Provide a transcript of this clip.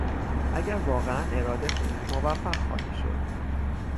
اگر واقعا اراده کنی موفق خواهی شد.